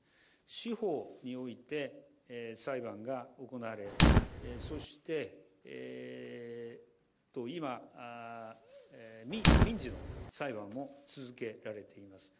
司法において、裁判が行われ、そして今、民事の裁判も続けられています。